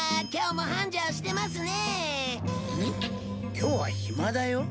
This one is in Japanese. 今日は暇だよ。